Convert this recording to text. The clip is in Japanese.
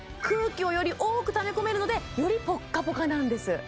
空気をより多くため込めるのでよりポッカポカなんです